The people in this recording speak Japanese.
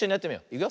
いくよ。